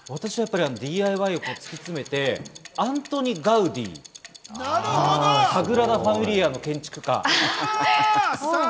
ＤＩＹを突き詰めてアントニ・ガウディ、サグラダ・ファミリアの建築家。